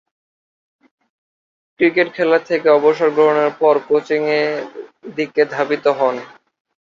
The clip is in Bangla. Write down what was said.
ক্রিকেট খেলা থেকে অবসর গ্রহণের পর কোচিংয়ের দিকে ধাবিত হন।